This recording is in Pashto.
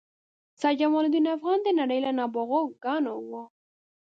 سید جمال الدین افغان د نړۍ له نابغه ګانو و.